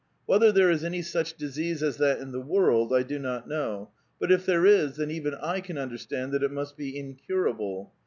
Whether there is any such disease as that in the world I do not know ; but if there is, then even I can under stand that it must be incurable.